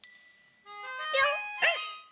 ぴょん！